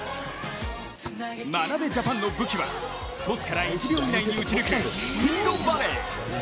眞鍋ジャパンの武器はトスから１秒以内に打ち抜くスピードバレー。